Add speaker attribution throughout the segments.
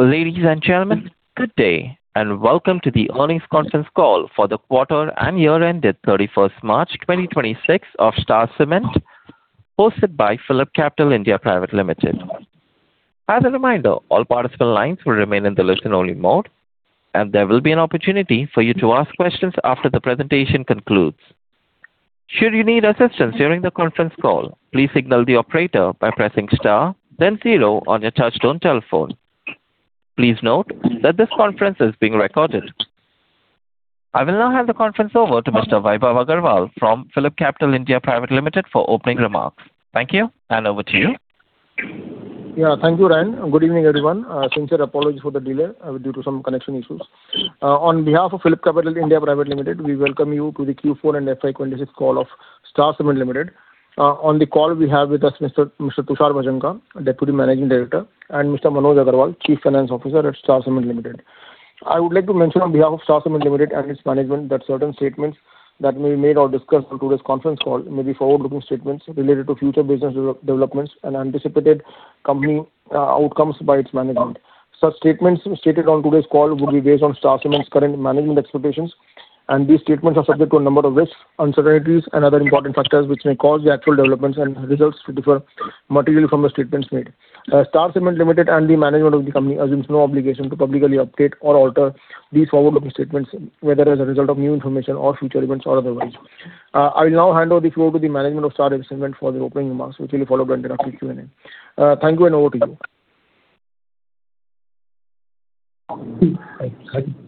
Speaker 1: Ladies and gentlemen, good day, and welcome to the earnings conference call for the quarter and year-end at 31st March 2026 of Star Cement, hosted by PhillipCapital India Private Limited. As a reminder, all participant lines will remain in the listen-only mode, and there will be an opportunity for you to ask questions after the presentation concludes. Should you need assistance during the conference call, please signal the operator by pressing star then zero on your touchtone telephone. Please note that this conference is being recorded. I will now hand the conference over to Mr. Vaibhav Agarwal from PhillipCapital India Private Limited. for opening remarks. Thank you, and over to you.
Speaker 2: Thank you. Good evening, everyone. Sincere apologies for the delay due to some connection issues. On behalf of PhillipCapital India Private Limited, we welcome you to the Q4 and FY 2026 call of Star Cement Limited. On the call we have with us Mr. Tushar Bhajanka, Deputy Managing Director, and Mr. Manoj Agarwal, Chief Financial Officer at Star Cement Limited. I would like to mention on behalf of Star Cement Limited and its management that certain statements that may be made or discussed on today's conference call may be forward-looking statements related to future business developments and anticipated company outcomes by its management. Such statements stated on today's call will be based on Star Cement's current management expectations, and these statements are subject to a number of risks, uncertainties, and other important factors which may cause the actual developments and results to differ materially from the statements made. Star Cement Limited and the management of the company assume no obligation to publicly update or alter these forward-looking statements, whether as a result of new information or future events or otherwise. I now hand over the floor to the management of Star Cement for the opening remarks, which will be followed by the Q&A. Thank you, and over to you.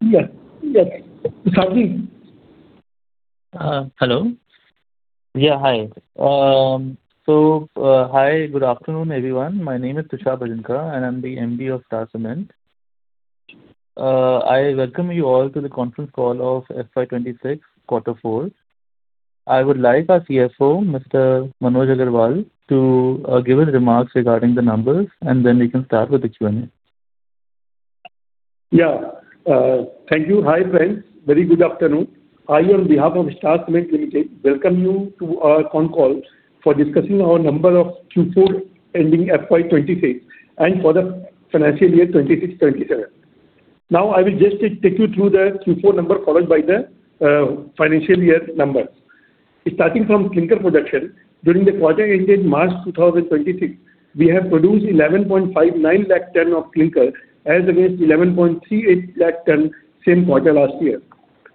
Speaker 3: Yes. Tushar.
Speaker 4: Hello. Yeah, hi. Hi, good afternoon, everyone. My name is Tushar Bhajanka, and I'm the MD of Star Cement. I welcome you all to the conference call of FY 2026 quarter four. I would like our CFO, Mr. Manoj Agarwal, to give his remarks regarding the numbers, and then we can start with the Q&A.
Speaker 3: Yeah. Thank you. Hi, everyone. Very good afternoon. I, on behalf of Star Cement Limited, welcome you to our conference call for discussing our numbers of Q4 ending FY 2026 and for the financial year 2026/2027. Now, I will just take you through the Q4 numbers followed by the financial year numbers. Starting from clinker production, during the quarter ending March 2026, we have produced 11.59 lakh ton of clinker as against 11.38 lakh ton same quarter last year.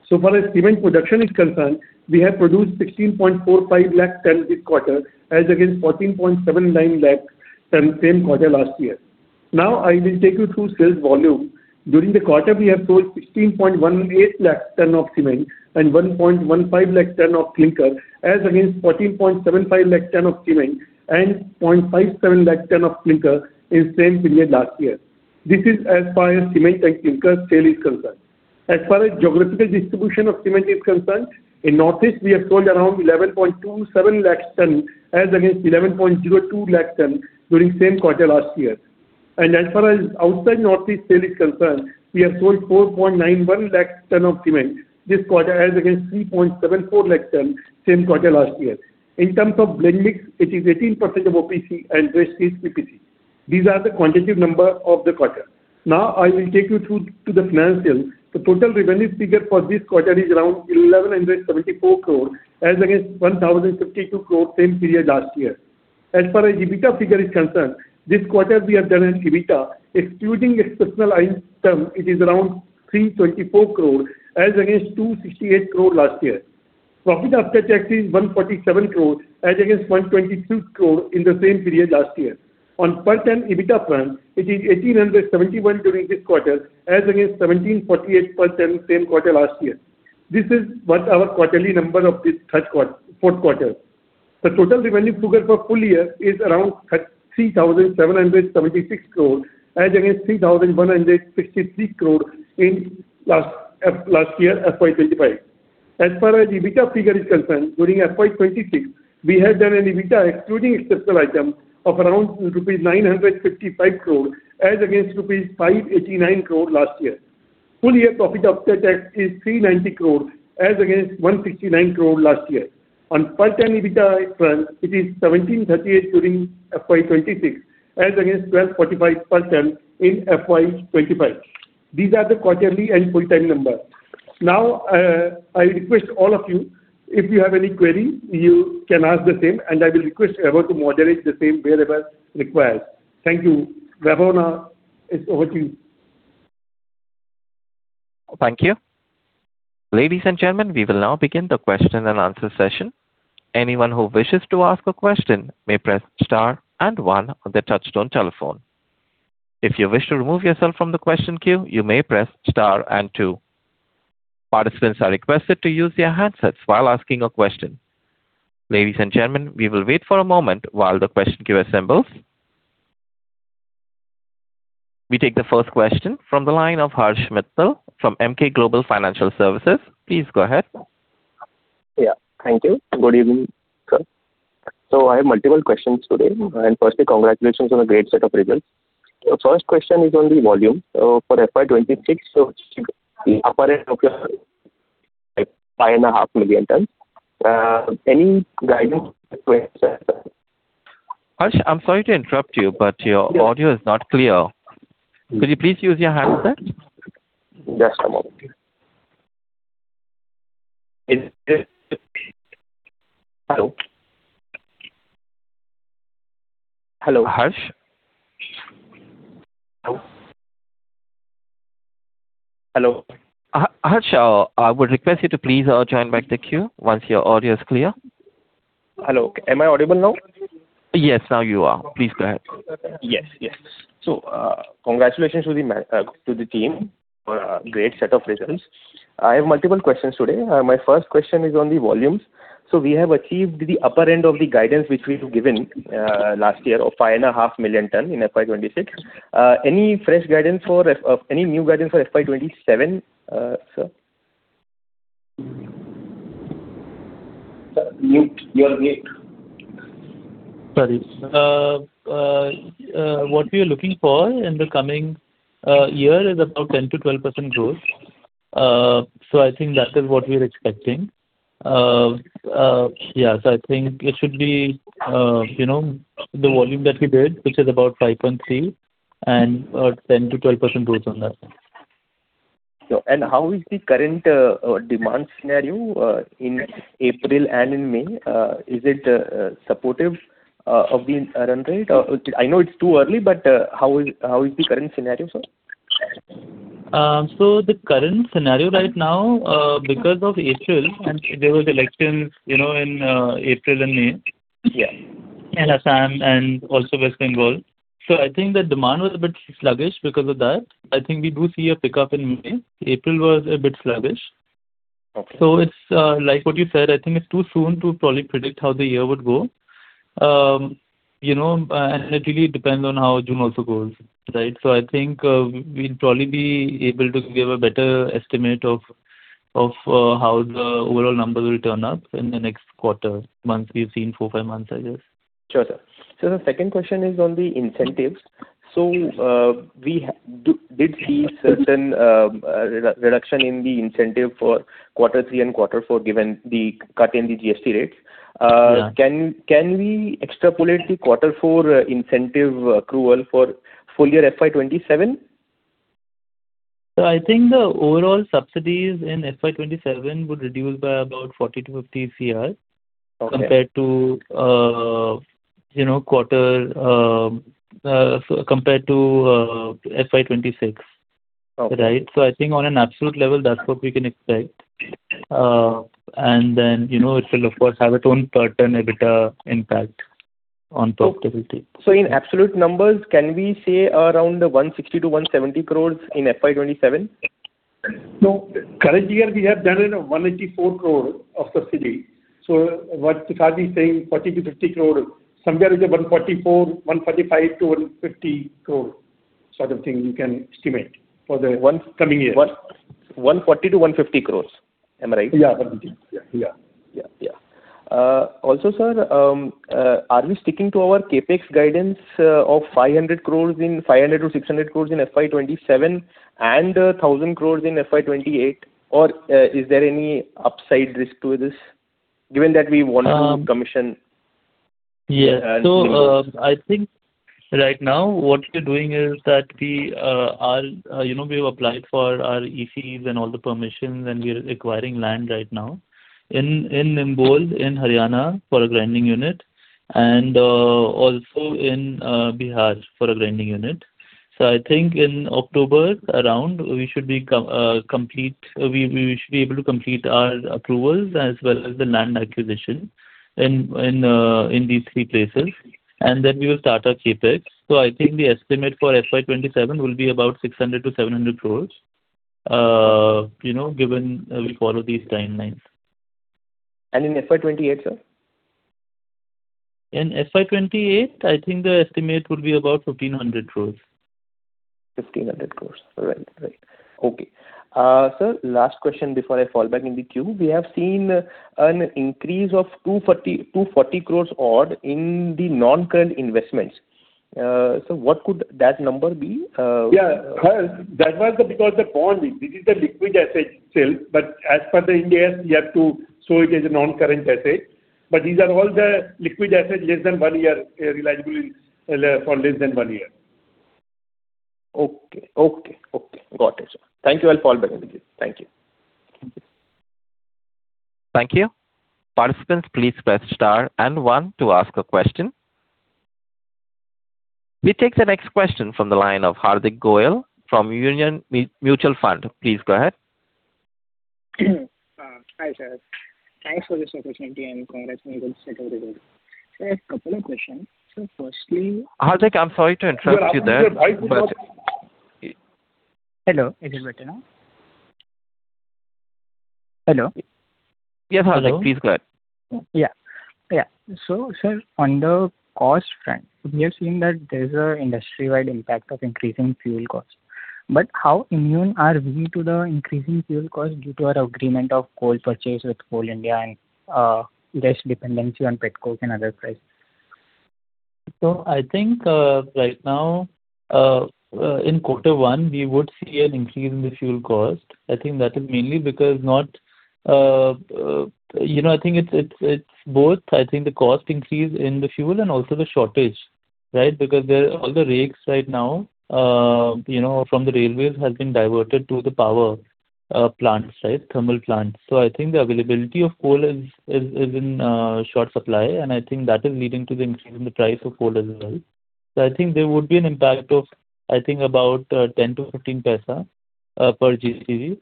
Speaker 3: So far as cement production is concerned, we have produced 16.45 lakh ton this quarter as against 14.79 lakh ton same quarter last year. Now, I will take you through sales volume. During the quarter, we have sold 15.18 lakh ton of cement and 1.15 lakh ton of clinker as against 14.75 lakh ton of cement and 0.57 lakh ton of clinker in the same period last year. This is as far as cement and clinker sale is concerned. Far as geographical distribution of cement is concerned, in North East we have sold around 11.27 lakh tons as against 11.02 lakh tons during the same quarter last year. Far as outside North East sale is concerned, we have sold 4.91 lakh tons of cement this quarter as against 3.74 lakh tons same quarter last year. In terms of blend mix, it is 18% of OPC and rest is PPC. These are the quantitative numbers of the quarter. I will take you through to the financials. The total revenue figure for this quarter is around 1,174 crores as against 1,052 crores same period last year. For our EBITDA figure is concerned, this quarter we have done an EBITDA excluding exceptional items, it is around 324 crores as against 268 crores last year. Profit after tax is 147 crore as against 126 crore in the same period last year. On per ton EBITDA front, it is 1,871 during this quarter as against 1,748 per ton same quarter last year. This is what our quarterly numbers of this fourth quarter. The total revenue figure for the full year is around 3,776 crore as against 3,163 crore in last year, FY 2025. As far as the EBITDA figure is concerned, during FY 2026, we have done an EBITDA excluding exceptional items of around rupees 955 crore as against rupees 589 crore last year. Full year profit after tax is 390 crore as against 169 crore last year. On per ton EBITDA front, it is 1,738 crore during FY 2026 as against 1,245 crore per ton in FY 2025. These are the quarterly and full-time numbers. I request all of you, if you have any query, you can ask the same, and I will request everyone to moderate the same wherever required. Thank you. Ravona, it's over to you.
Speaker 1: Thank you. Ladies and gentlemen, we will now begin the question-and-answer session. Anyone who wishes to ask a question may press star and one on their touchtone telephone. If you wish to remove yourself from the question queue, you may press star and two. Participants are requested to use their handsets while asking a question. Ladies and gentlemen, we will wait for a moment while the question queue assembles. We take the first question from the line of Harsh Mittal from Emkay Global Financial Services. Please go ahead.
Speaker 5: Yeah. Thank you. Good evening. I have multiple questions today, and firstly, congratulations on a great set of results. First question is on the volume. For FY 2026, Like 5.5 million tons. Any guidance for?
Speaker 1: Harsh, I'm sorry to interrupt you, but your audio is not clear. Could you please use your handset?
Speaker 5: Yes, I'm okay. Hello?
Speaker 4: Hello Harsh?
Speaker 5: Hello?
Speaker 4: Hello?
Speaker 1: Harsh, I would request you to please join back the queue once your audio is clear.
Speaker 5: Hello. Am I audible now?
Speaker 1: Yes, now you are. Please go ahead.
Speaker 5: Yes. Congratulations to the team for a great set of results. I have multiple questions today. My first question is on the volumes. We have achieved the upper end of the guidance which we have given last year of five and a half million ton in FY 2026. Any new guidance for FY 2027, sir? Year-on-year.
Speaker 4: Sorry. What we are looking for in the coming year is about 10%-12% growth. I think that is what we are expecting. Yeah. I think it should be the volume that we did, which is about 5.3% and 10%-12% growth on that.
Speaker 5: How is the current demand scenario in April and in May? Is it supportive of the run rate? I know it's too early, but how is the current scenario, sir?
Speaker 4: The current scenario right now, because of April and there was elections in April and May.
Speaker 5: Yeah.
Speaker 4: In Assam and also West Bengal. I think the demand was a bit sluggish because of that. I think we do see a pickup in May. April was a bit sluggish. It's like what you said, I think it's too soon to probably predict how the year would go. Actually, it depends on how June also goes, right? I think we'll probably be able to give a better estimate of how the overall numbers will turn up in the next quarter. Once we've seen four, five months, I guess.
Speaker 5: Sure, sir. Sir, the second question is on the incentives. We did see certain reduction in the incentive for quarter three and quarter four, given the cut in the GST rates.
Speaker 4: Yeah.
Speaker 5: Can we extrapolate the quarter four incentive accrual for full year FY 2027?
Speaker 4: I think the overall subsidies in FY 2027 would reduce by about 40 crore-50 crore compared to FY 2026.
Speaker 5: Okay.
Speaker 4: Right. I think on an absolute level, that's what we can expect. Then it will of course have its own pertinent EBITDA impact on profitability.
Speaker 5: In absolute numbers, can we say around the 160 crore-170 crore in FY 2027?
Speaker 3: No. Current year we have done 184 crore of subsidy. What Tushar is saying, 40 crore-50 crore, somewhere around 144 crore, 145 crore-150 crore sort of thing we can estimate for the coming year.
Speaker 5: 140 crores-150 crores. Am I right?
Speaker 3: Yeah.
Speaker 5: Yeah. Also, sir, are we sticking to our CapEx guidance of 500 crores-600 crores in FY 2027 and 1,000 crores in FY 2028, or is there any upside risk to this given that we want to commission
Speaker 4: I think right now what we're doing is that we've applied for our ECs and all the permissions, and we are acquiring land right now in Nimbol, in Haryana for a grinding unit, and also in Bihar for a grinding unit. I think in October around, we should be able to complete our approvals as well as the land acquisition in these three places, and then we'll start our CapEx. I think the estimate for FY 2027 will be about 600 crores-700 crores, given we follow these timelines.
Speaker 5: In FY 2028, sir?
Speaker 4: In FY 2028, I think the estimate would be about 1,500 crores.
Speaker 5: 1,500 crores. Right. Okay. Sir, last question before I fall back in the queue. We have seen an increase of 240 crores odd in the non-current investments. Sir, what could that number be?
Speaker 3: Yeah, Harsh, that was because of bonding. This is a liquid asset sale, but as per Ind AS, you have to show it as a non-current asset. These are all the liquid assets less than one year, liable for less than one year.
Speaker 5: Okay. Got it, sir. Thank you. I'll fall back in the queue. Thank you.
Speaker 1: Thank you. Participants, please press star and one to ask a question. We take the next question from the line of Hardik Goyal from Union Mutual Fund. Please go ahead.
Speaker 6: Hi, sir. Thanks for the presentation and clarity. Maybe we'll stay till the end. Sir, a couple of questions.
Speaker 4: Hardik, I'm sorry to interrupt you there.
Speaker 6: Hello, is it better now? Hello?
Speaker 4: Yeah. Hardik, please go ahead.
Speaker 6: Sir, on the cost front, we are seeing that there's an industry-wide impact of increasing fuel costs, but how immune are we to the increasing fuel costs due to our agreement of coal purchase with Coal India and less dependency on pet coke and other fuels?
Speaker 4: I think right now, in quarter one, we would see an increase in the fuel cost. I think that is mainly because I think it's both. I think the cost increase in the fuel and also the shortage, right? All the rakes right now from the railways have been diverted to the power plants, right? Thermal plants. I think the availability of coal is in short supply, and I think that is leading to the increase in the price of coal as well. I think there would be an impact of, I think about 0.10-0.15 per GCV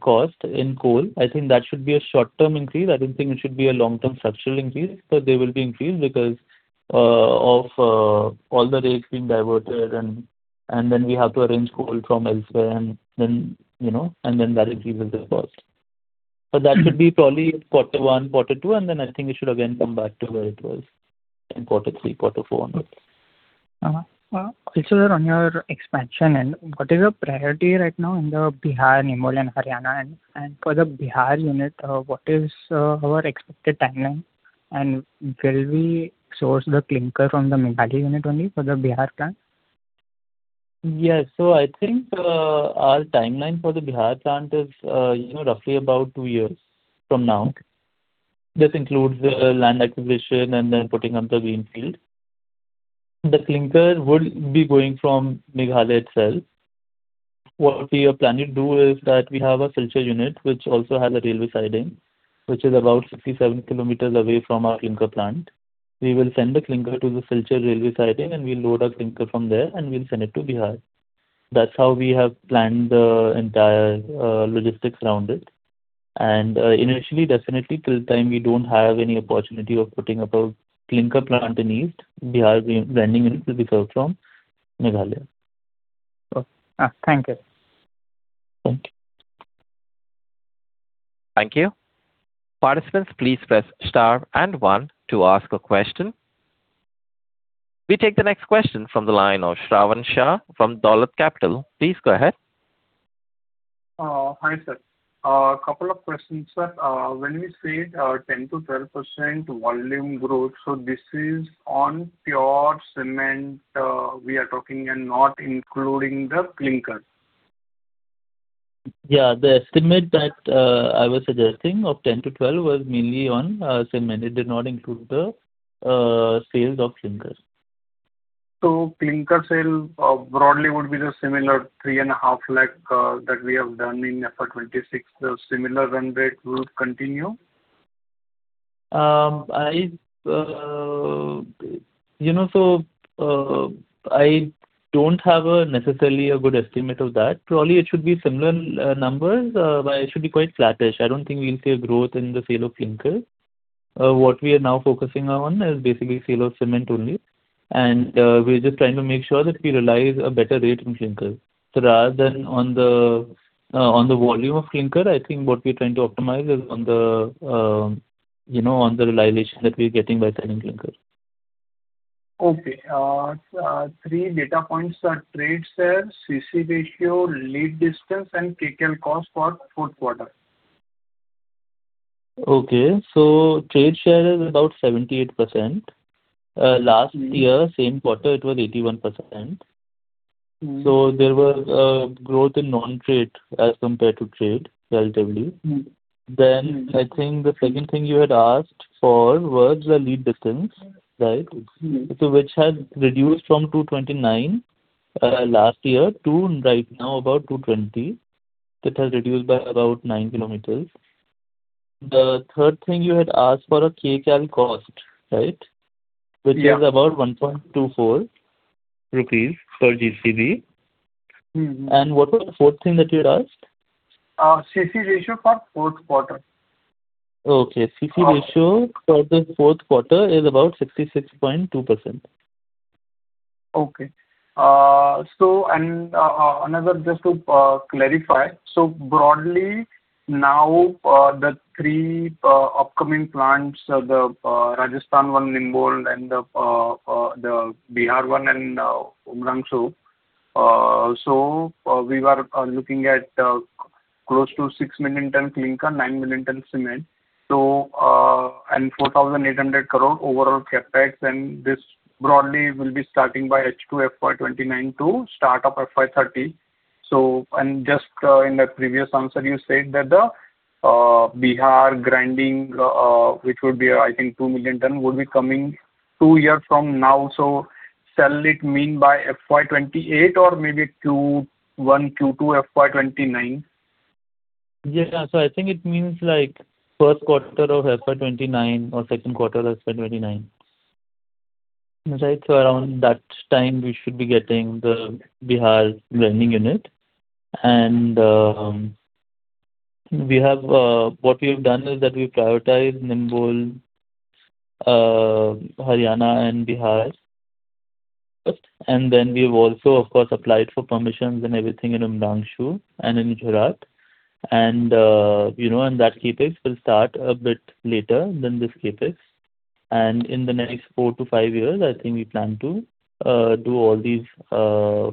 Speaker 4: cost in coal. I think that should be a short-term increase. I don't think it should be a long-term structural increase, but there will be increase because of all the rakes being diverted, and then we have to arrange coal from elsewhere and then that increases the cost. That should be probably quarter one, quarter two, and then I think it should again come back to where it was in quarter three, quarter four.
Speaker 6: Okay. This is on your expansion and what is your priority right now in the Bihar, Nimbol, and Haryana? For the Bihar unit, what is our expected timeline, and will we source the clinker from the Meghalaya unit only for the Bihar plant?
Speaker 4: Yeah. I think our timeline for the Bihar plant is roughly about two years from now. This includes the land acquisition and then putting up the greenfield. The clinker would be going from Meghalaya itself. What we are planning to do is that we have a Silchar unit which also has a railway siding, which is about 57 km away from our clinker plant. We will send the clinker to the Silchar railway siding, and we'll load our clinker from there, and we'll send it to Bihar. That’s how we have planned the entire logistics around it. Initially, definitely, till the time we don’t have any opportunity of putting up a clinker plant in east Bihar, we're blending it with the coal from Meghalaya.
Speaker 6: Okay. Thank you.
Speaker 4: Thank you.
Speaker 1: Thank you. Participants, please press star and one to ask a question. We take the next question from the line of Shravan Shah from Dolat Capital. Please go ahead.
Speaker 7: Hi, sir. A couple of questions, sir. When we said 10%-12% volume growth, this is on pure cement we are talking and not including the clinker?
Speaker 4: Yeah. The estimate that I was suggesting of 10%-12% was mainly on cement. It did not include the sales of clinker.
Speaker 7: Clinker sales broadly would be the similar 3.5 Lakh that we have done in FY 2026, similar run-rate will continue?
Speaker 4: I don’t have a necessarily a good estimate of that. Probably it should be similar numbers. It should be quite flattish. I don’t think we’ll see a growth in the sale of clinker. What we are now focusing on is basically sale of cement only, and we’re just trying to make sure that we realize a better rate in clinker. Rather than on the volume of clinker, I think what we’re trying to optimize is on the realization that we’re getting by selling clinker.
Speaker 7: Okay. Three data points, sir, Trade share, CC ratio, lead distance, and Kcal cost for fourth quarter.
Speaker 4: Trade share is about 78%. Last year, same quarter, it was 81%. There was a growth in non-trade as compared to trade relatively. I think the second thing you had asked for was the lead distance, right?
Speaker 7: Okay.
Speaker 4: Which has reduced from 229 last year to right now about 220. It has reduced by about nine kilometers. The third thing you had asked for a Kcal cost, right?
Speaker 7: Yes.
Speaker 4: Which is about 1.24 rupees per GCV. What was the fourth thing that you asked?
Speaker 7: CC ratio for fourth quarter.
Speaker 4: CC ratio for the fourth quarter is about 66.2%.
Speaker 7: Okay. Another just to clarify. Broadly now, the three upcoming plants are the Rajasthan one, Nimbol, and the Bihar one in Umrangso. We were looking at close to 6 million ton clinker, 9 million ton cement, and 4,800 crore overall CapEx, and this broadly will be starting by H2 FY 2029 to start of FY 2030. Just in the previous answer, you said that the Bihar grinding, which will be I think 2 million ton, will be coming two years from now. Shall it mean by FY 2028 or maybe Q1, Q2 FY 2029?
Speaker 4: Yeah. I think it means like first quarter of FY 2029 or second quarter of FY 2029. Right. Around that time, we should be getting the Bihar blending unit. What we’ve done is that we’ve prioritized Nimbol, Haryana, and Bihar.
Speaker 7: Okay.
Speaker 4: Then we’ve also, of course, applied for permissions and everything in Umrangso and in Jharkhand, and that CapEx will start a bit later than this CapEx. In the next four to five years, I think we plan to do all these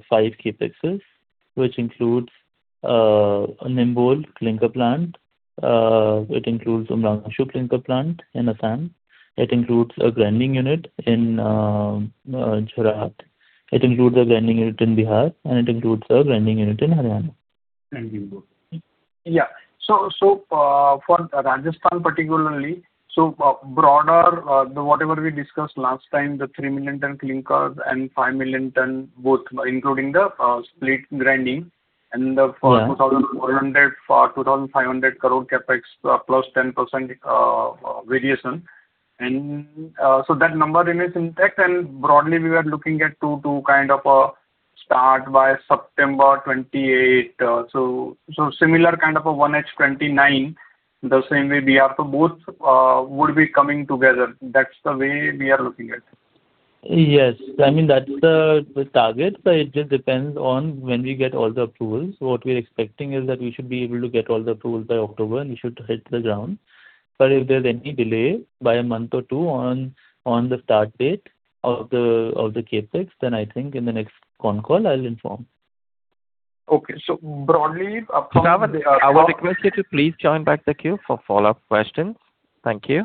Speaker 4: five CapExes, which includes Nimbol clinker plant. It includes a massive clinker plant in Assam. It includes a grinding unit in Chhapra. It includes a grinding unit in Bihar, and it includes a grinding unit in Haryana.
Speaker 7: Thank you. Yeah. For Rajasthan particularly, so broader, whatever we discussed last time, the 3 million ton clinker and 5 million ton, both including the split grinding and the 2,100 crore-2,500 crore CapEx +10% variation. That number remains intact, and broadly, we are looking at to kind of a start by September 2028. Similar kind of a 1H 2029, the same way we have to both would be coming together. That’s the way we are looking at it.
Speaker 4: Yes. I mean, that’s the target. It just depends on when we get all the approvals. What we’re expecting is that we should be able to get all the approvals by October. We should hit the ground. If there’s any delay by a month or two on the start date of the CapEx, then I think in the next con call, I’ll inform.
Speaker 7: Okay.
Speaker 1: I would request you to please join back the queue for follow-up questions. Thank you.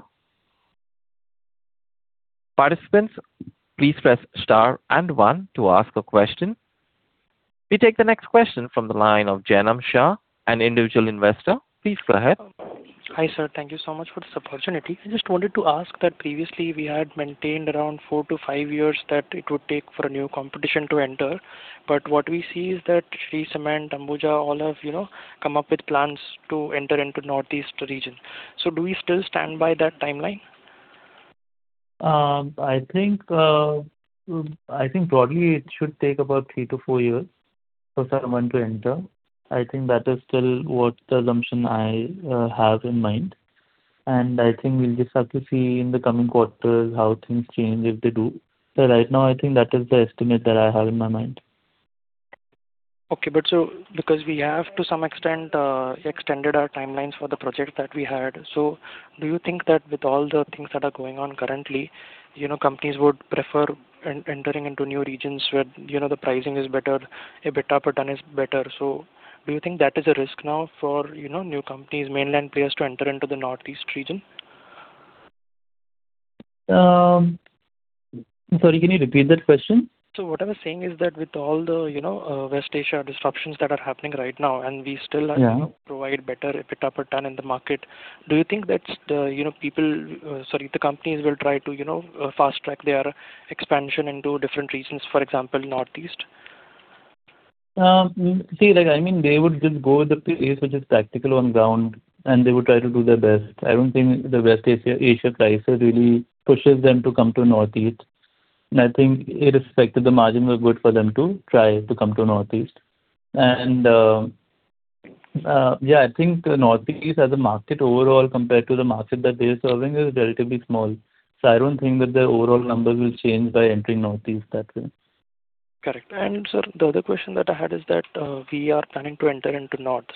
Speaker 1: Participants, please press star and one to ask a question. We take the next question from the line of Janam Shah, an individual investor. Please go ahead.
Speaker 8: Hi, sir. Thank you so much for this opportunity. I just wanted to ask that previously we had maintained around four to five years that it would take for a new competition to enter. What we see is that Shree Cement, Ambuja, all have come up with plans to enter into Northeast region. Do we still stand by that timeline?
Speaker 4: I think broadly it should take about three to four years for someone to enter. I think that is still what the assumption I have in mind. I think we’ll just have to see in the coming quarters how things change if they do. Right now, I think that is the estimate that I have in my mind.
Speaker 8: Okay. Because we have to some extent, extended our timelines for the project that we had. Do you think that with all the things that are going on currently, companies would prefer entering into new regions where the pricing is better, EBITDA is better? Do you think that is a risk now for new companies, mainland players to enter into the Northeast region?
Speaker 4: Sorry, can you repeat that question?
Speaker 8: What I was saying is that with all the West Asia disruptions that are happening right now.
Speaker 4: Yeah
Speaker 8: provide better EBITDA in the market, do you think that the companies will try to fast-track their expansion into different regions, for example, Northeast?
Speaker 4: I think they would just go with the place which is practical on ground, they would try to do their best. I don’t think the West Asia crisis really pushes them to come to Northeast. I think irrespective, the margin was good for them to try to come to Northeast. Yeah, I think the Northeast as a market overall compared to the market that they’re serving is relatively small. I don’t think that their overall numbers will change by entering Northeast that way.
Speaker 8: Correct. sir, the other question that I had is that we are planning to enter into north.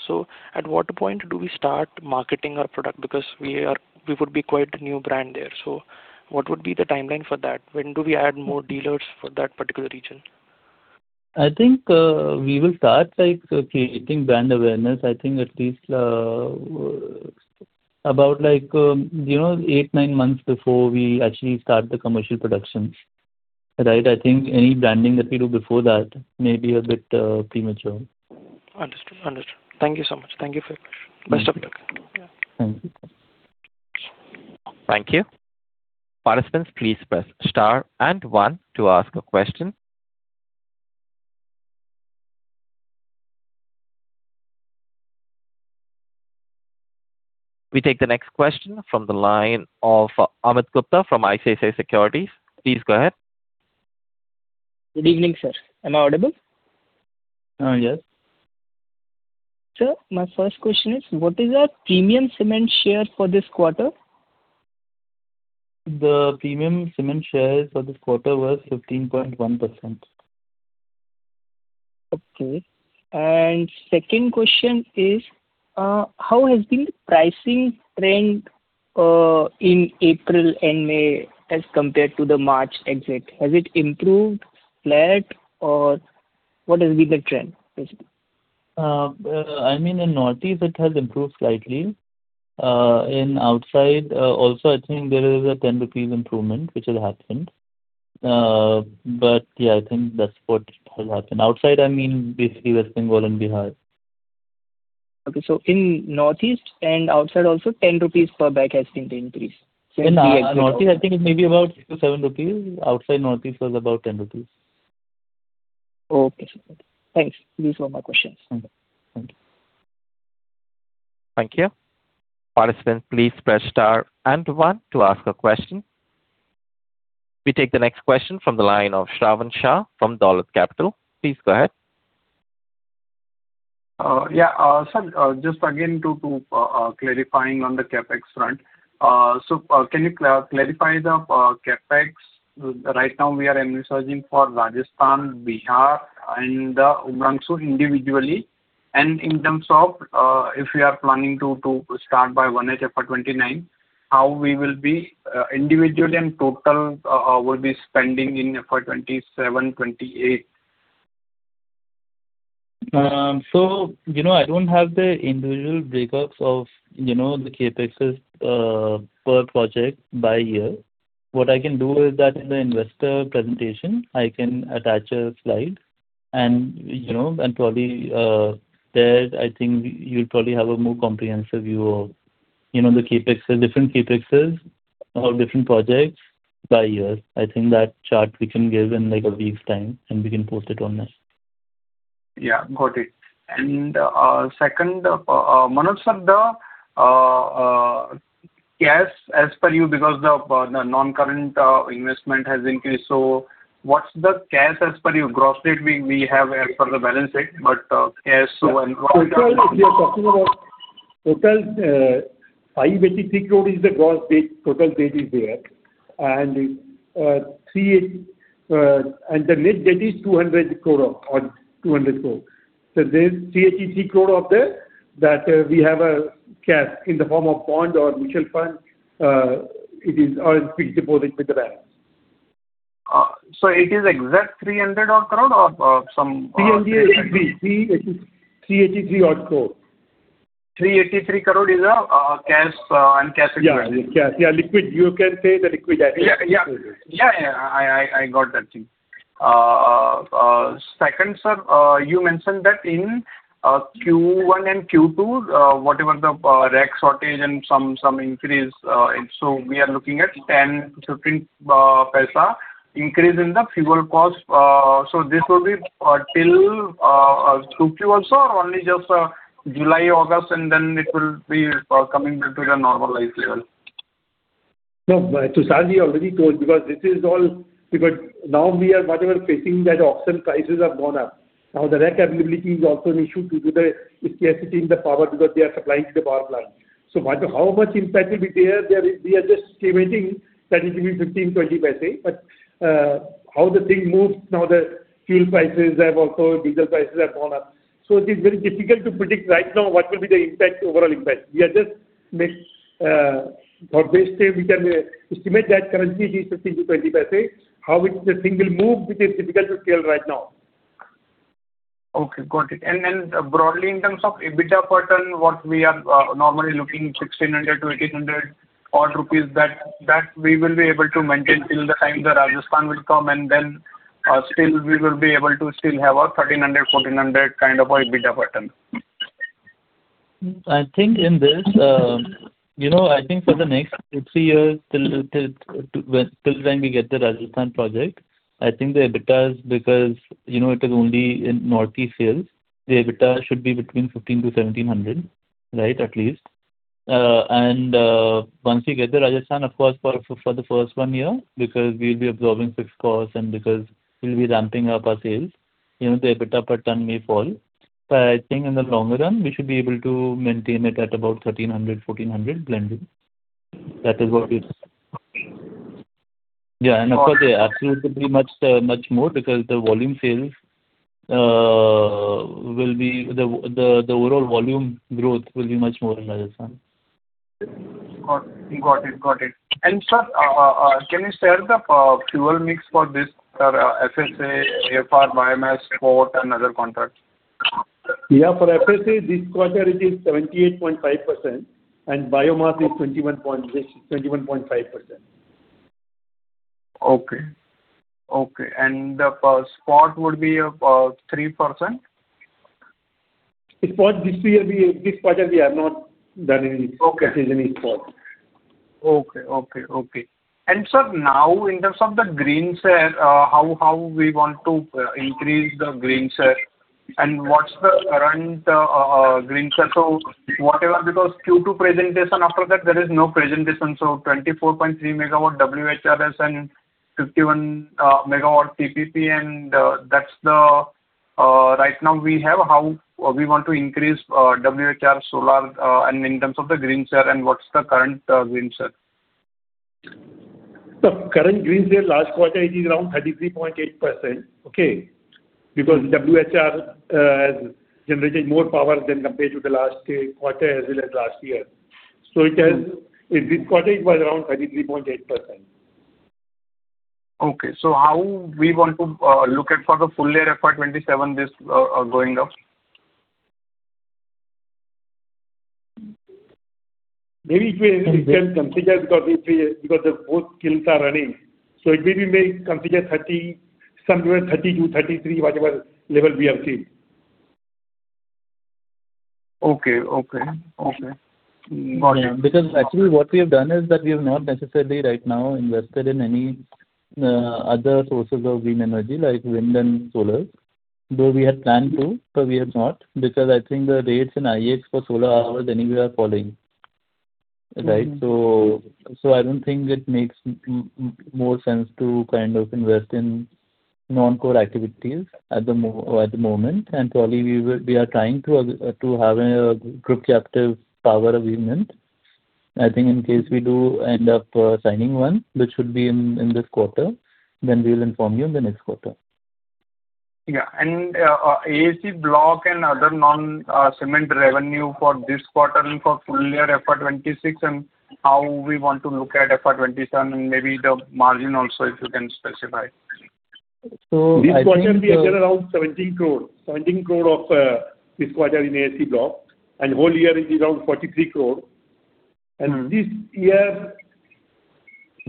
Speaker 8: At what point do we start marketing our product? Because we would be quite a new brand there. What would be the timeline for that? When do we add more dealers for that particular region?
Speaker 4: I think we will start creating brand awareness, I think at least about eight, nine months before we actually start the commercial production. Right? I think any branding that we do before that may be a bit premature.
Speaker 8: Understood. Thank you so much. Thank you for your time.
Speaker 4: Thank you.
Speaker 1: Thank you. Participants, please press star and one to ask a question. We take the next question from the line of Amit Gupta from ICICI Securities. Please go ahead.
Speaker 9: Good evening, sir. Am I audible?
Speaker 4: Yes.
Speaker 9: Sir, my first question is, what is our premium cement share for this quarter?
Speaker 4: The premium cement share for this quarter was 15.1%.
Speaker 9: Okay. Second question is, how has the pricing trend in April and May as compared to the March exit? Has it improved, flat, or what has been the trend basically?
Speaker 4: I mean, in Northeast it has improved slightly. In outside also, I think there is a 10 rupees improvement which has happened. Yeah, I think that's what has happened. Outside, I mean basically West Bengal and Bihar.
Speaker 9: Okay. In Northeast and outside also 10 rupees per bag has been the increase.
Speaker 4: In Northeast, I think maybe about 6-7 rupees. Outside Northeast was about 10 rupees.
Speaker 9: Okay. Thanks. These were my questions. Thank you.
Speaker 1: Thank you. Participants, please press star and one to ask a question. We take the next question from the line of Shravan Shah from Dolat Capital. Please go ahead.
Speaker 7: Yeah, sir, just again to clarifying on the CapEx front. Can you clarify the CapEx? Right now we are researching for Rajasthan, Bihar, and Umrangso individually. In terms of if we are planning to start by 1H FY 2029, how we will be individually and total will be spending in FY 2027, FY 2028
Speaker 4: I don't have the individual breakups of the CapEx per project by year. What I can do is that in the investor presentation, I can attach a slide and there I think you'll probably have a more comprehensive view of the different CapExes or different projects by years. I think that chart we can give in a week's time, and we can post it on this.
Speaker 7: Yeah, got it. Second, Manoj sir, the cash as per you because the non-current investment has increased. What's the cash as per your gross rate? We have as per the balance sheet, but cash-
Speaker 3: We are talking about total 5 crore is the gross total debt is there and the debt is 200 crore. There's 383 crore out there that we have a cash in the form of bond or mutual fund. It is all fixed deposit with the bank.
Speaker 7: It is exact 300 crore
Speaker 3: 383 crore.
Speaker 7: 383 crore is a cash-
Speaker 3: Yeah, liquid. You can say the liquid asset.
Speaker 7: Yeah, I got that thing. Second, sir, you mentioned that in Q1 and Q2, whatever the rake shortage and some increase, we are looking at 0.10-0.15 increase in the fuel cost. This will be till through Q4 or only just July, August, it will be coming back to the normalized level?
Speaker 3: No, it already closed because now we are whatever facing that auction prices have gone up. Now the rake availability is also an issue to the capacity in the power because they are supplying the power plant. How much impact will be there? We are just estimating that it will be 0.15, INR 0.20. How the thing moves now the fuel prices have also, diesel prices have gone up. It is very difficult to predict right now what will be the impact, overall impact. We are just make for best say we can estimate that currently it is 0.15, 0.20. How the thing will move, it is difficult to tell right now.
Speaker 7: Okay, got it. Broadly in terms of EBITDA pattern, what we are normally looking 1,600-1,800 rupees odd that we will be able to maintain till the time the Rajasthan will come and then still we will be able to still have a 1,300-1,400 kind of EBITDA pattern.
Speaker 4: I think in this, I think for the next three years till when we get the Rajasthan project, I think the EBITDAs because it is only North East sales, the EBITDA should be between 1,500-1,700, right, at least. Once we get the Rajasthan, of course, for the first one year because we'll be absorbing fixed cost and because we'll be ramping up our sales, the EBITDA pattern may fall. I think in the long run, we should be able to maintain it at about 1,300, 1,400 blending. That is what we expect. Yeah, of course, they absolutely pretty much more because the overall volume growth will be much more than Rajasthan.
Speaker 7: Got it. Sir, can you share the fuel mix for this FSA, GFR, biomass, spot, and other contracts?
Speaker 4: Yeah, for FSA, this quarter it is 28.5% and biomass is 21.5%.
Speaker 7: Okay. The spot would be about 3%?
Speaker 4: The spot this quarter we are not done.
Speaker 7: Okay
Speaker 4: There's any spot.
Speaker 7: Okay. Sir, now in terms of the green share, how we want to increase the green share and what's the current green share? Whatever because Q2 presentation after that there is no presentation 24.3 MW WHRS and 51 MW TPP and that's the right now we have how we want to increase WHR solar and in terms of the green share and what's the current green share?
Speaker 3: The current green share last quarter it is around 33.8%, okay? WHR has generated more power than compared to the last quarter as well as last year. It has this quarter it was around 33.8%.
Speaker 7: Okay, how we want to look at for the full year FY 2027 this going now?
Speaker 3: Maybe we can configure because both kilns are running. It may be made configure somewhere 32%, 33% whatever level we are seeing.
Speaker 7: Okay. Got it.
Speaker 4: Because actually what we have done is that we have not necessarily right now invested in any other sources of green energy like wind and solar, though we had planned to. I don't think it makes more sense to kind of invest in non-core activities at the moment. Probably we are trying to have a group captive power agreement. I think in case we do end up signing one, which should be in this quarter, then we'll inform you the next quarter.
Speaker 7: Yeah. AAC block and other non-cement revenue for this quarter and for full year FY 2026 and how we want to look at FY 2027 and maybe the margin also if you can specify?
Speaker 3: This quarter will be around INR 17 crore. INR 17 crore of this quarter in AAC block, and whole year is around 43 crore.
Speaker 4: We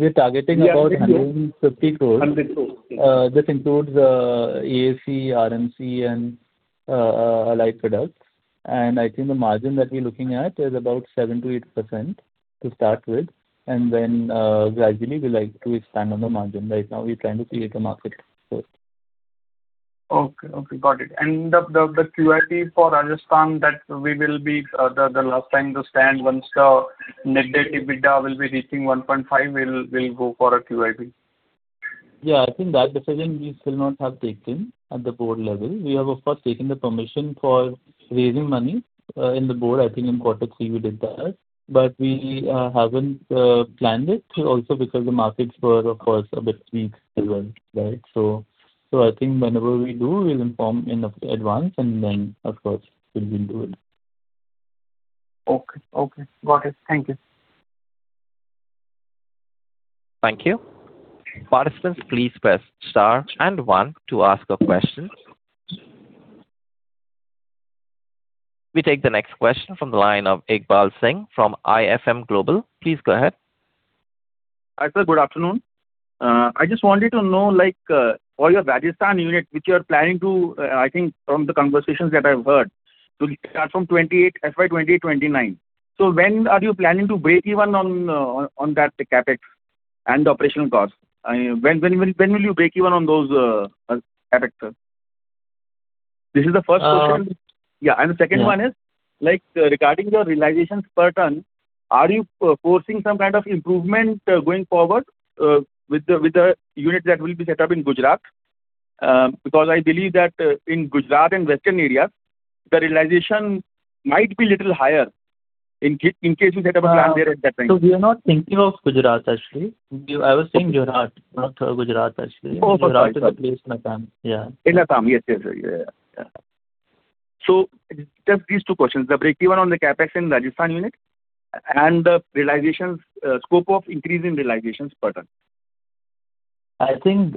Speaker 4: are targeting about 150 crores.
Speaker 3: INR 100 crores.
Speaker 4: That includes the AAC, RMC, and allied products. I think the margin that we're looking at is about 7%-8% to start with, and then gradually we like to expand on the margin. Right now we're trying to create the market first.
Speaker 7: Okay. Got it. The QIP for Rajasthan that will be the last time to stand once the net debt EBITDA will be reaching 1.5, we'll go for a QIP.
Speaker 4: I think that decision we still not have taken at the board level. We have, of course, taken the permission for raising money in the board. I think in quarter three we did that, but we haven't planned it also because the markets were, of course, a bit weak as well. I think whenever we do, we'll inform in advance and then, of course, we will do it.
Speaker 7: Okay. Got it. Thank you.
Speaker 1: Thank you. Participants, please press star and one to ask a question. We take the next question from the line of Iqbal Singh from ISM Global. Please go ahead.
Speaker 10: Iqbal, good afternoon. I just wanted to know, for your Rajasthan unit, which you're planning to, I think from the conversations that I've heard, start from FY 2029. When are you planning to breakeven on that CapEx and operational cost? When will you breakeven on those CapEx? This is the first question. Yeah. The second one is regarding the realizations per ton, are you forcing some kind of improvement going forward with the unit that will be set up in Gujarat? I believe that in Gujarat and western areas, the realization might be a little higher in case you set up.
Speaker 4: We are not thinking of Gujarat actually. I was saying Jharkhand, not Gujarat actually.
Speaker 10: Oh, sorry.
Speaker 4: Jharkhand is in [Ratan]. Yeah.
Speaker 10: In Ratan. Yes. Just these two questions. The breakeven on the CapEx in Rajasthan unit and the scope of increasing realizations per ton.
Speaker 4: I think,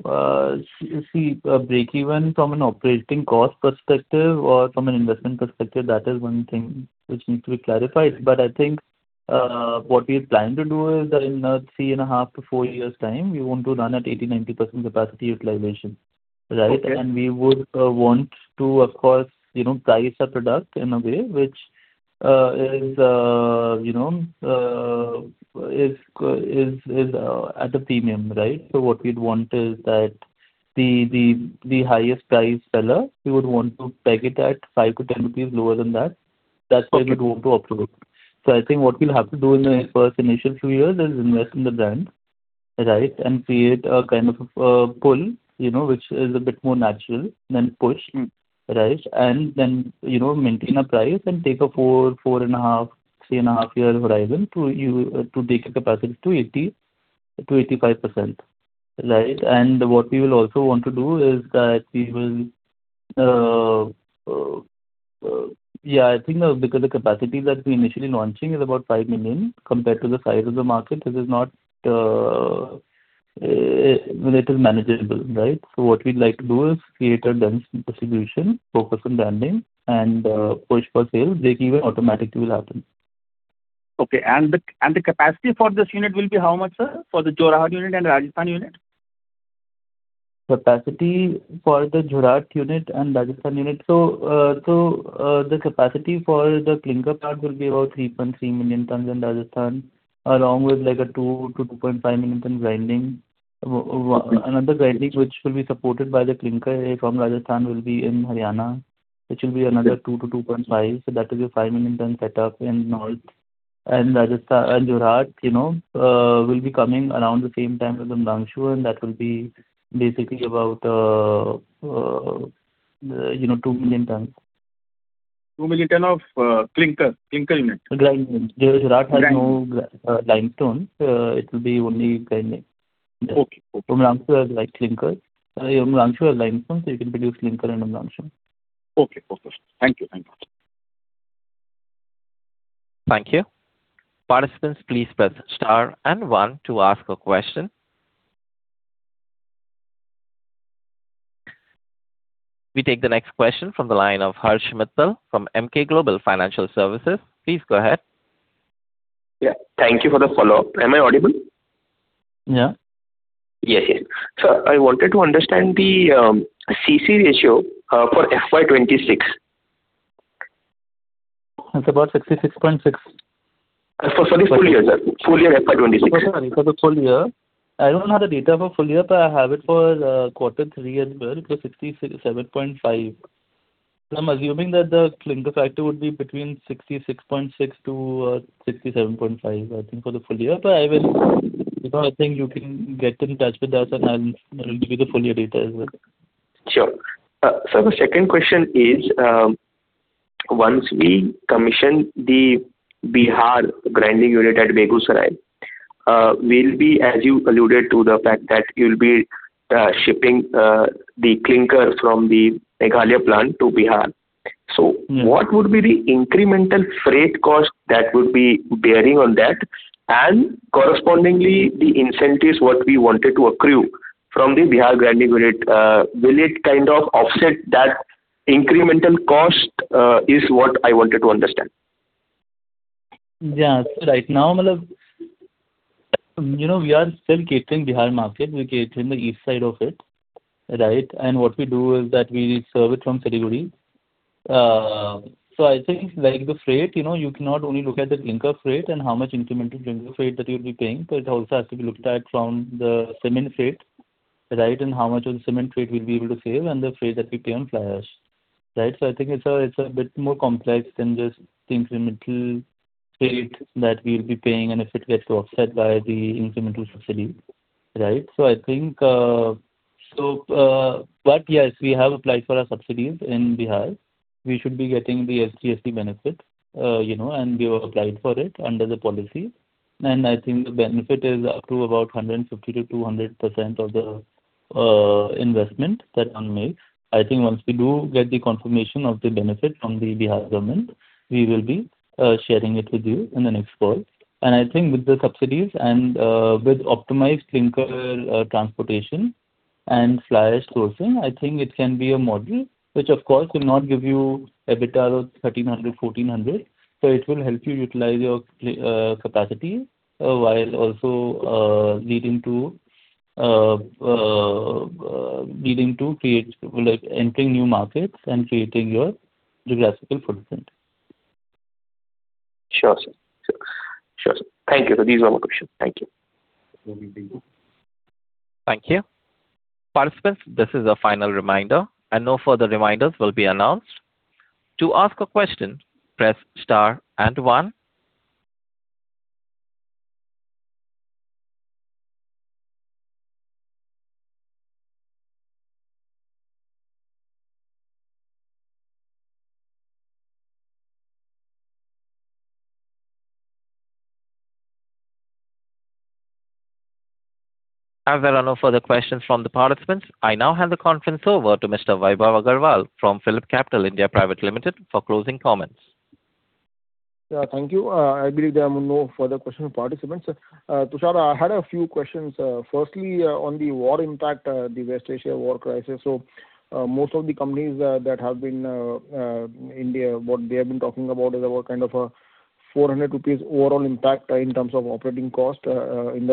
Speaker 4: see, breakeven from an operating cost perspective or from an investment perspective, that is one thing which needs to be clarified. I think what we plan to do is that in three and a half to four years' time, we want to run at 80%-90% capacity utilization.
Speaker 10: Okay.
Speaker 4: We would want to, of course, price our product in a way which is at a premium. What we'd want is that the highest price seller, we would want to peg it at 5-10 rupees lower than that. That's how you build a top product. I think what we'll have to do in the first initial three years is invest in the brand. Create a kind of a pull, which is a bit more natural than push. Then maintain a price and take a four and a half, three and a half year horizon to take the capacity to 80%-85%. What we will also want to do is that we will I think because the capacity that we initially launching is about 5 million compared to the size of the market, it is manageable. What we'd like to do is create a dense distribution, focus on branding and push for sales. Breakeven automatically will happen.
Speaker 10: Okay. The capacity for this unit will be how much, sir? For the Jharkhand unit and Rajasthan unit?
Speaker 4: Capacity for the Jharkhand unit and Rajasthan unit. The capacity for the clinker plant will be about 3.3 million tons in Rajasthan, along with a 2 million-2.5 million ton grinding. Another grinding which will be supported by the clinker from Rajasthan will be in Haryana, which will be another 2 million-2.5 million ton. That is a 5 million ton setup in north. Jharkhand will be coming around the same time as Umrangso, and that will be basically about 2 million tons.
Speaker 10: 2 million ton of clinker unit.
Speaker 4: Grinding. Jharkhand has no limestone. It will be only grinding.
Speaker 10: Okay.
Speaker 4: Amlanchu has limestone. We can produce clinker in Amlanchu.
Speaker 10: Okay. Perfect. Thank you.
Speaker 1: Thank you. Participants, please press Star and One to ask a question. We take the next question from the line of Harsh Mittal from Emkay Global Financial Services. Please go ahead.
Speaker 5: Yeah, thank you for the follow-up. Am I audible?
Speaker 4: Yeah.
Speaker 5: Yeah. I wanted to understand the CC ratio for FY 2026.
Speaker 4: It's about 66.6.
Speaker 5: Sorry, full year, sir. Full year FY 2026.
Speaker 4: For the full year, I don't have the data for full year, but I have it for quarter three as well. 67.5. I'm assuming that the clinker factor would be between 66.6-67.5, I think, for the full year. Because I think you can get in touch with us and I'll give you the full year data as well.
Speaker 5: Sure. Sir, the second question is, once we commission the Bihar grinding unit at Begusarai, will be, as you alluded to, the fact that you'll be shipping the clinker from the [Kagal] plant to Bihar. What would be the incremental freight cost that would be bearing on that? Correspondingly, the incentives, what we wanted to accrue from the Bihar branding unit, will it kind of offset that incremental cost, is what I wanted to understand.
Speaker 4: We are still catering Bihar market. We cater in the east side of it. What we do is that we serve it from Siliguri. I think the freight, you cannot only look at the clinker freight and how much incremental clinker freight that you'll be paying, but it also has to be looked at from the cement freight, and how much of the cement freight we'll be able to save and the freight that we pay on fly ash. I think it's a bit more complex than this incremental freight that we'll be paying, and if it gets offset by the incremental subsidies. Yes, we have applied for our subsidies in Bihar. We should be getting the SC/ST benefits, and we have applied for it under the policy. I think the benefit is up to about 150%-200% of the investment that one makes. I think once we do get the confirmation of the benefit from the Bihar government, we will be sharing it with you in the next call. I think with the subsidies and with optimized clinker transportation and fly ash sourcing, I think it can be a model, which of course will not give you EBITDA of 1,300, 1,400, but it will help you utilize your capacity while also leading to entering new markets and creating your geographical footprint.
Speaker 5: Sure, sir. Thank you. That was my question. Thank you.
Speaker 4: No problem.
Speaker 1: Thank you. Participants, this is a final reminder. No further reminders will be announced. To ask a question, press star and one. As there are no further questions from the participants, I now hand the conference over to Mr. Vaibhav Agarwal from PhillipCapital India Private Limited for closing comments.
Speaker 2: Yeah. Thank you. I believe there are no further questions from participants. Tushar, I had a few questions. Firstly, on the war impact, the West Asia war crisis. Most of the companies in India, what they have been talking about is kind of a 400 rupees overall impact in terms of operating cost by end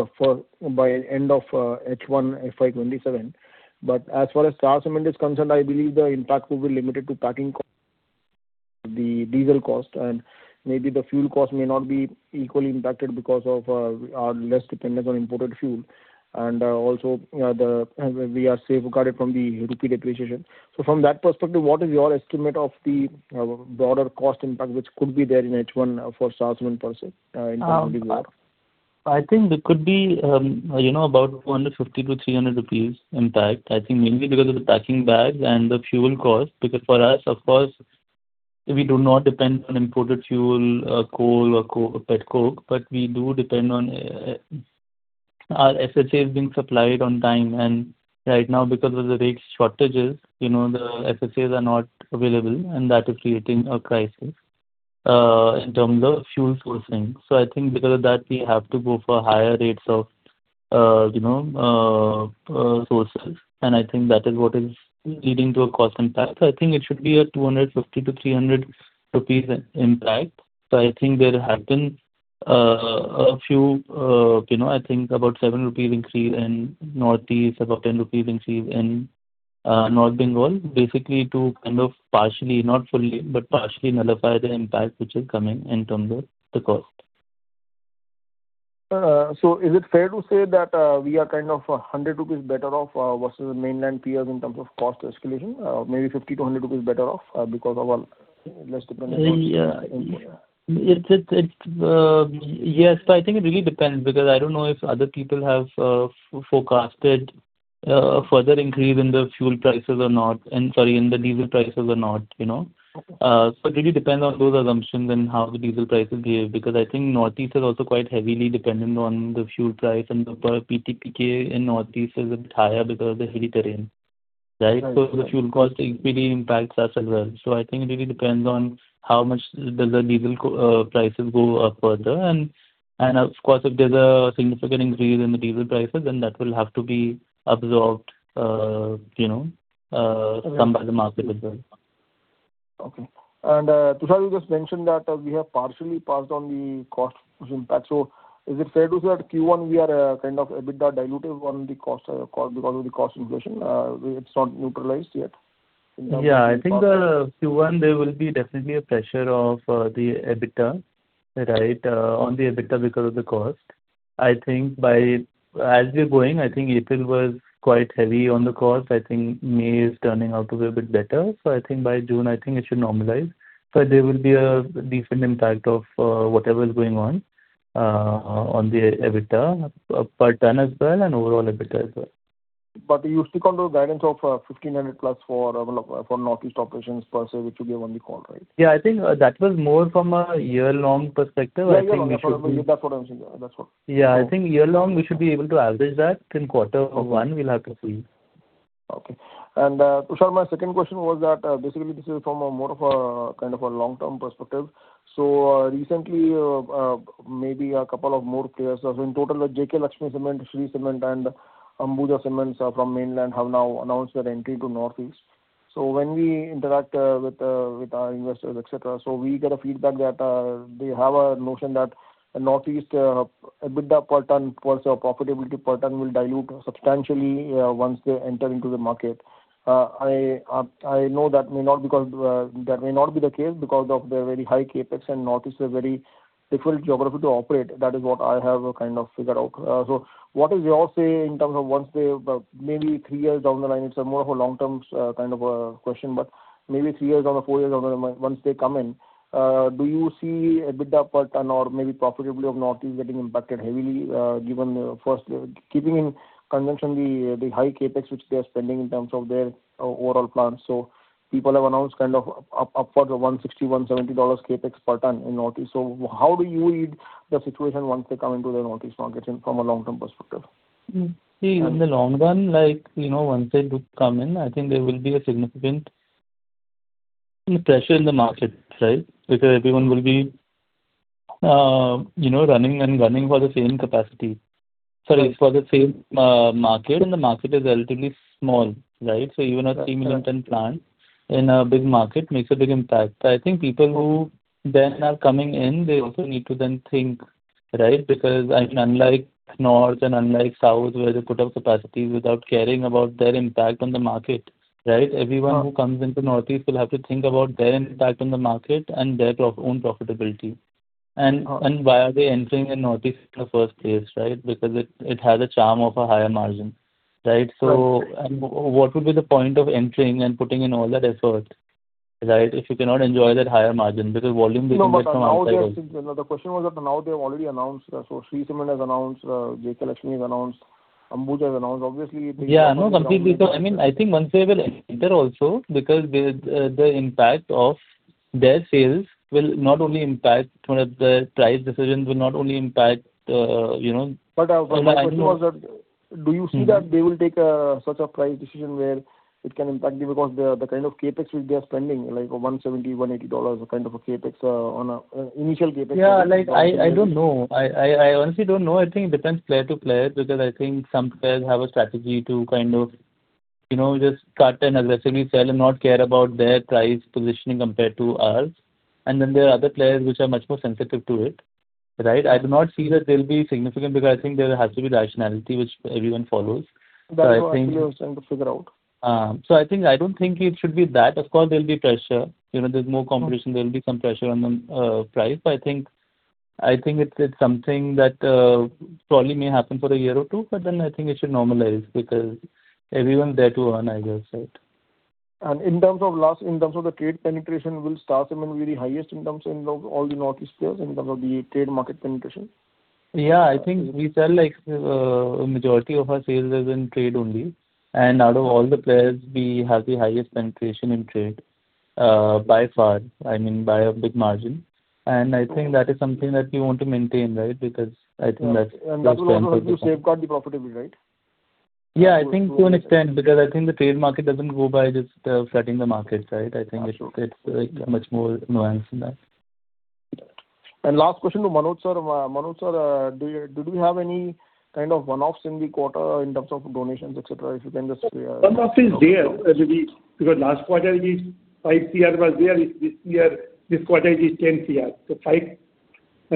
Speaker 2: of H1 FY 2027. As far as Star Cement is concerned, I believe the impact will be limited to packing cost, the diesel cost, and maybe the fuel cost may not be equally impacted because of our less dependence on imported fuel, and also we are safeguarded from the rupee depreciation. From that perspective, what is your estimate of the broader cost impact which could be there in H1 for Star Cement per se in terms of impact?
Speaker 4: I think it could be about 250-300 rupees impact, I think mainly because of the packing bag and the fuel cost, because for us, of course, we do not depend on imported fuel, coal or pet coke, but we do depend on our FSAs being supplied on time. Right now, because of the rake shortages, the FSAs are not available, and that is creating a crisis in terms of fuel sourcing. I think because of that, we have to go for higher rates of sources, I think that is what is leading to a cost impact. I think it should be a 250-300 rupees impact. I think there have been a few, I think about 7 rupees increase in Northeast, about 10 rupees increase in North Bengal, basically to kind of partially, not fully, but partially nullify the impact which is coming in terms of the cost.
Speaker 2: Is it fair to say that we are kind of 100 rupees better off versus the mainland peers in terms of cost escalation? Maybe 50, 20 rupees better off because of our less dependence on imported fuel?
Speaker 4: Yes. I think it really depends, because I don't know if other people have forecasted a further increase in the fuel prices or not, and sorry, in the diesel prices or not. It really depends on those assumptions and how the diesel prices behave, because I think Northeast is also quite heavily dependent on the fuel price, and the per PTPKM in Northeast is a bit higher because of the hilly terrain. The fuel cost equally impacts us as well. I think it really depends on how much does the diesel prices go up further. Of course, if there's a significant increase in the diesel prices, then that will have to be absorbed by the market as well.
Speaker 2: Okay. Tushar, you just mentioned that we have partially passed on the cost push impact. Is it fair to say that Q1 we are kind of EBITDA diluted because of the cost inflation? It's not neutralized yet in terms of the profit?
Speaker 4: I think Q1, there will be definitely a pressure on the EBITDA because of the cost. As we're going, I think April was quite heavy on the cost. I think May is turning out to be a bit better. I think by June, I think it should normalize. There will be a decent impact of whatever is going on the EBITDA per ton as well, and overall EBITDA as well.
Speaker 2: You stick on the guidance of 1,500+ for Northeast operations per se, which you gave on the call, right?
Speaker 4: Yeah, I think that was more from a year-long perspective.
Speaker 2: Yeah. That's what I'm saying.
Speaker 4: Yeah, I think year-long we should be able to average that. In quarter one, we'll have to see.
Speaker 2: Tushar, my second question was that basically this is from a more of a long-term perspective. Recently, maybe two more players have in total, JK Lakshmi Cement, Shree Cement, and Ambuja Cements from mainland have now announced their entry to Northeast. When we interact with our investors, et cetera, so we get a feedback that they have a notion that Northeast EBITDA per ton versus profitability per ton will dilute substantially once they enter into the market. I know that may not be the case because of the very high CapEx and Northeast is a very difficult geography to operate. That is what I have figured out. What is your say in terms of maybe three years down the line, it's a more of a long-term kind of a question, but maybe three years or four years down the line once they come in, do you see EBITDA per ton or maybe profitability of Northeast getting impacted heavily, given, first, keeping in conjunction the high CapEx which they are spending in terms of their overall plan? People have announced upward of 160, INR 170 CapEx per ton in Northeast. How do you read the situation once they come into the Northeast market from a long-term perspective?
Speaker 4: See, in the long run, once they do come in, I think there will be a significant pressure in the market, right? Everyone will be running for the same capacity. Sorry, for the same market, and the market is relatively small. Even a 3 million ton plant in a big market makes a big impact. I think people who then are coming in, they also need to then think, right? Unlike North and unlike South, where they put up capacity without caring about their impact on the market. Everyone who comes into Northeast will have to think about their impact on the market and their own profitability. Why are they entering in Northeast in the first place? It has a charm of a higher margin. What would be the point of entering and putting in all that effort, if you cannot enjoy that higher margin because volume will limit from now onwards.
Speaker 2: No, the question was that now they've already announced. Shree Cement has announced, JK Lakshmi announced, Ambuja announced.
Speaker 4: Yeah, no, completely. I think once they will enter also, because the impact of their sales will not only impact the price decisions.
Speaker 2: My point was that do you see that they will take a such a price decision where it can impact because the kind of CapEx which they are spending, like a $170, $180 kind of a CapEx on initial CapEx?
Speaker 4: Yeah, I don't know. I honestly don't know. I think it depends player to player, because I think some players have a strategy to just cut and aggressively sell and not care about their price positioning compared to ours. There are other players which are much more sensitive to it. I do not see that there'll be significant because I think there has to be rationality which everyone follows.
Speaker 2: That's what I was trying to figure out.
Speaker 4: I don't think it should be bad. Of course, there'll be pressure. There's more competition, there'll be some pressure on price. I think it's something that probably may happen for a year or two, but then I think it should normalize because everyone's there to earn, I guess.
Speaker 2: In terms of the trade penetration, will Star Cement be the highest in terms of all the Northeast players in terms of the trade market penetration?
Speaker 4: Yeah, I think we sell like majority of our sales is in trade only. Out of all the players, we have the highest penetration in trade, by far, by a big margin. I think that is something that we want to maintain, because I think that's beneficial.
Speaker 2: That will also safeguard the profitability, right?
Speaker 4: Yeah, I think to an extent, because I think the trade market doesn't go by just setting the markets. I think it's much more nuanced than that.
Speaker 2: Last question to Manoj sir. Manoj sir, did we have any kind of one-offs in the quarter in terms of donations, et cetera?
Speaker 3: One-off is there. Last quarter, this 5 crore was there. This quarter is 10 crore. 10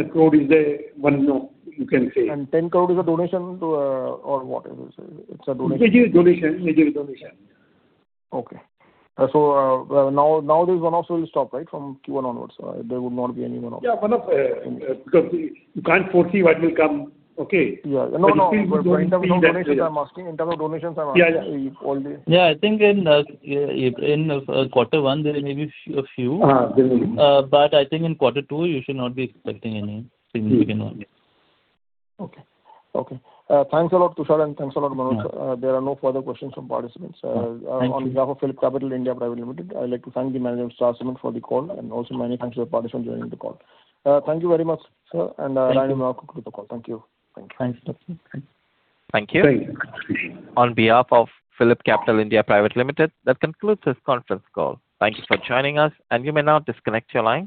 Speaker 3: crore is a one-off, you can say.
Speaker 2: 10 crore is a donation or what is it? It's a donation.
Speaker 3: It is a donation. Major donation.
Speaker 2: Okay. Now this one also will stop, right. From Q1 onwards, there will not be any one-off.
Speaker 3: Yeah. Because you can't foresee what will come.
Speaker 2: Yeah. No, in terms of donations, I'm asking.
Speaker 3: Yeah. All day.
Speaker 4: Yeah, I think in Quarter One, there may be a few.
Speaker 3: Yeah, there will be.
Speaker 4: I think in Quarter Two, you should not be expecting any significant one.
Speaker 2: Okay. Thanks a lot, Tushar, and thanks a lot, Manoj. There are no further questions from participants.
Speaker 4: Thank you.
Speaker 2: On behalf of PhillipCapital India Private Limited, I'd like to thank the management of Star Cement for the call and also many thanks to the participants joining the call. Thank you very much, sir.
Speaker 4: Thank you.
Speaker 2: Thank you, Manoj, for the call. Thank you.
Speaker 3: Thanks.
Speaker 4: Thank you.
Speaker 1: Thank you. On behalf of PhillipCapital India Private Limited, that concludes this conference call. Thank you for joining us, and you may now disconnect your lines.